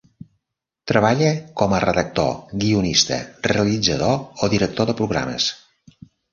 Treballa com a redactor, guionista, realitzador o director de programes.